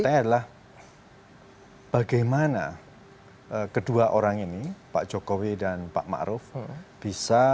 pertanyaannya adalah bagaimana kedua orang ini pak jokowi dan pak ma'ruf bisa menjawab pertanyaan pertanyaan ini